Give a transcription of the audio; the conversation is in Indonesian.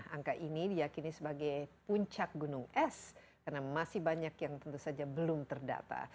angka ini diakini sebagai puncak gunung es karena masih banyak yang belum terdata